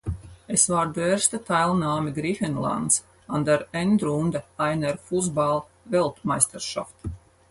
Es war die erste Teilnahme Griechenlands an der Endrunde einer Fußball-Weltmeisterschaft.